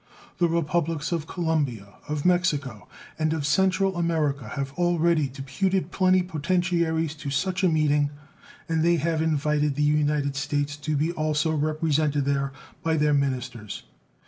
The Republics of Colombia, of Mexico, and of Central America have already deputed plenipotentiaries to such a meeting, and they have invited the United States to be also represented there by their ministers.